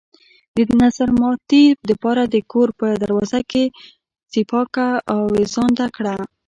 د نظرماتي د پاره د كور په دروازه کښې څپياكه اوېزانده کړه۔